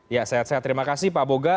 ya sehat sehat terima kasih pak boga